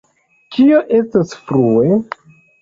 Kio estas »frue«?